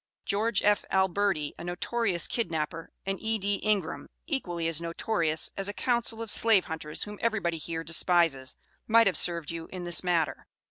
Geo. F. Alberti, a notorious kidnapper, and E.D. Ingraham, equally as notorious as a counsel of slave hunters whom everybody here despises, might have served you in this matter.